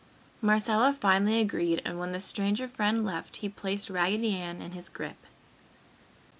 Marcella finally agreed and when the stranger friend left, he placed Raggedy Ann in his grip.